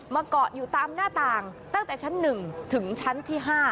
เกาะอยู่ตามหน้าต่างตั้งแต่ชั้น๑ถึงชั้นที่๕